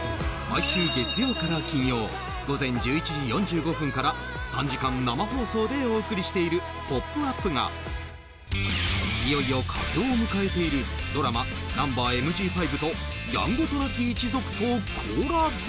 ［毎週月曜から金曜午前１１時４５分から３時間生放送でお送りしている『ポップＵＰ！』がいよいよ佳境を迎えているドラマ『ナンバＭＧ５』と『やんごとなき一族』とコラボ］